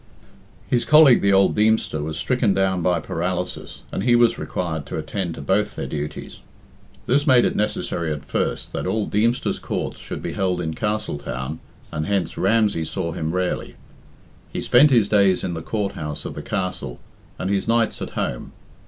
His colleague, the old Deemster, was stricken down by paralysis, and he was required to attend to both their duties. This made it necessary at first that all Deemster's Courts should be held in Castletown, and hence Ramsey saw him rarely. He spent his days in the Court house of the Castle and his nights at home.